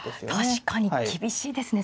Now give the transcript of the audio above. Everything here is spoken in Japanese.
確かに厳しいですねそれは。